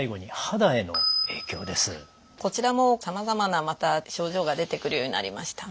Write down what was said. こちらもさまざまなまた症状が出てくるようになりました。